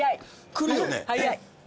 来るよね？